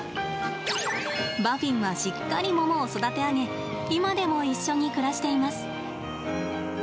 バフィンはしっかりモモを育て上げ今でも一緒に暮らしています。